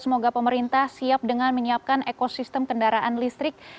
semoga pemerintah siap dengan menyiapkan ekosistem kendaraan listrik